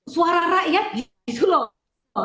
suara rakyat di sulawesi